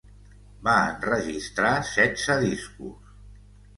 Va enregistrar setze discos.